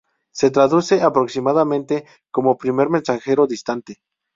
Se traduce aproximadamente como "primer mensajero distante".